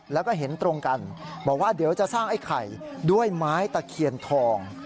แล้วก็เห็นตรงกันบอกว่าเดี๋ยวจะสร้างไอ้ไข่ด้วยไม้ตะเคียนทอง